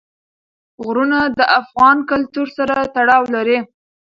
غرونه د افغان کلتور سره تړاو لري.